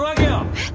えっ？